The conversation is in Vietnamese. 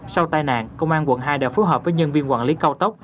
sau tai nạn công an quận hai đã phối hợp với nhân viên quản lý cao tốc